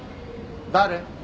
誰？